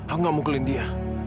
aku nggak mukulin dia